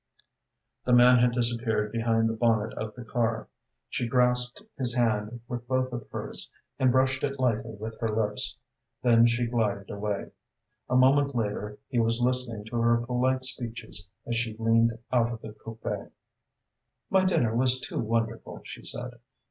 The man had disappeared behind the bonnet of the car. She grasped his hand with both of hers and brushed it lightly with her lips. Then she gilded away. A moment later he was listening to her polite speeches as she leaned out of the coupé. "My dinner was too wonderful," she said.